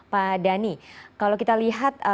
pak dhani kalau kita lihat